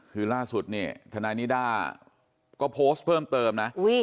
คือล่าสุดเนี่ยทนายนิด้าก็โพสต์เพิ่มเติมนะ